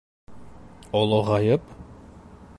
Олоғайып?!